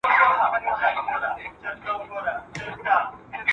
مور شیدې ماشوم ته غذایي قوت ورکوي.